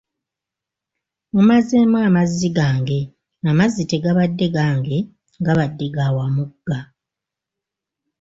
Mumazeemu amazzi gange, amazzi tegabadde gange gabadde ga Wamugga.